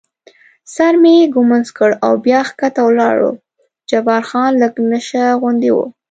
سر مې ږمنځ کړ او بیا کښته ولاړو، جبار خان لږ نشه غوندې و.